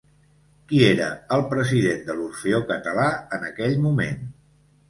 Qui era el president de l'Orfeó Català en aquell moment?